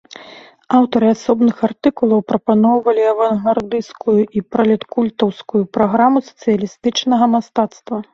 Аўтары асобных артыкулаў прапаноўвалі авангардысцкую і пралеткультаўскую праграму сацыялістычнага мастацтва.